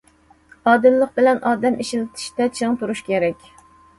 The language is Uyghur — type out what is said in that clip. ئادىللىق بىلەن ئادەم ئىشلىتىشتە چىڭ تۇرۇش كېرەك.